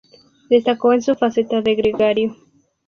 Destacó en su faceta de gregario.